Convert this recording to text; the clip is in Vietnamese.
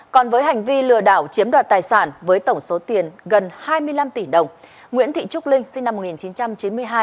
còn với hành vi lừa đảo chiếm đoạt tài sản với tổng số tiền gần hai mươi năm tỷ đồng nguyễn thị trúc linh sinh năm một nghìn chín trăm chín mươi hai